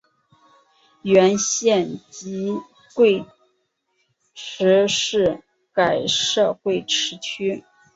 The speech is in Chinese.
原县级贵池市改设贵池区。